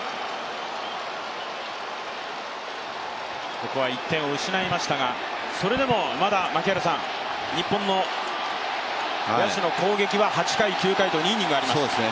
ここは１点を失いましたが、それでもまだ日本の野手の攻撃は８回、９回と２イニングあります。